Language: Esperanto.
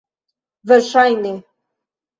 Verŝajne.